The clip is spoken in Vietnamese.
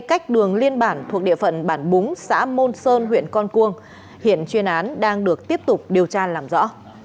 cách đường liên bản thuộc địa phận bản búng xã môn sơn huyện con cuông hiện chuyên án đang được tiếp tục điều tra làm rõ